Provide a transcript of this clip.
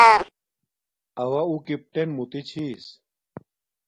اوݳ اُݸ کݵپٹݵن مُتݶ چھݵس.